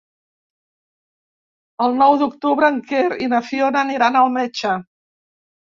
El nou d'octubre en Quer i na Fiona aniran al metge.